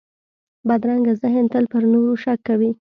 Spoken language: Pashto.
بدرنګه ذهن تل پر نورو شک کوي